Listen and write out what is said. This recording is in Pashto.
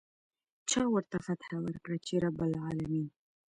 چا ورته فتحه ورکړه چې رب العلمين.